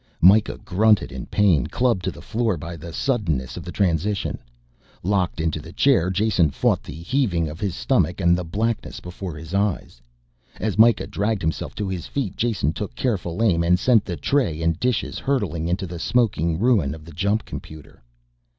Mikah grunted in pain, clubbed to the floor by the suddenness of the transition. Locked into the chair, Jason fought the heaving of his stomach and the blackness before his eyes. As Mikah dragged himself to his feet, Jason took careful aim and sent the tray and dishes hurtling into the smoking ruin of the jump computer.